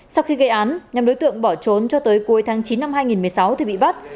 sau khi gây án nhóm đối tượng bỏ trốn cho tới cuối tháng chín năm hai nghìn một mươi sáu thì bị bắt